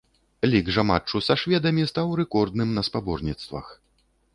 Лік жа матчу са шведамі стаў рэкордным на спаборніцтвах.